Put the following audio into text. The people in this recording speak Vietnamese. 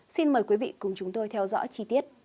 xin mời quý vị cùng chúng tôi theo dõi chi tiết